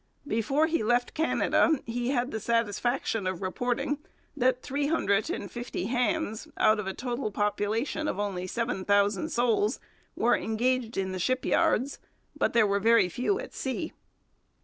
Before he left Canada he had the satisfaction of reporting that three hundred and fifty hands, out of a total population of only seven thousand souls, were engaged in the shipyards. But there were very few at sea.